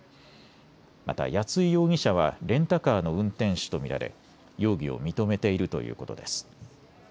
また谷井容疑者はレンタカーの運転手と見られ容疑を認めているということです。